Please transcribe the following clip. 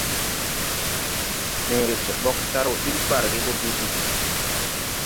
Fęęre sɛ bogn car wɔ bil barge gɔ gùsi.